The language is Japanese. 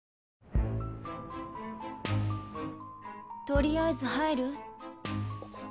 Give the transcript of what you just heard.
取りあえず入る？